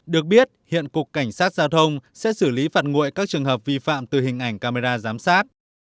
được biết hiện cục cảnh sát giao thông sẽ xử lý phạt nguội các trường hợp vi phạm từ hình ảnh camera giám sát